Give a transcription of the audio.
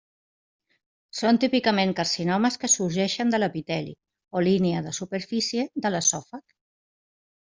Són típicament carcinomes que sorgeixen de l'epiteli, o línia de superfície de l'esòfag.